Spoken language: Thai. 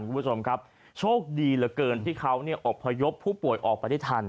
คุณผู้ชมครับโชคดีเหลือเกินที่เขาอบพยพผู้ป่วยออกไปได้ทัน